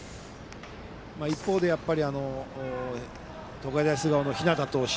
一方で、東海大菅生の日當投手。